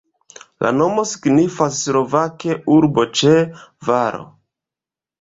La nomo signifas slovake urbo ĉe valo.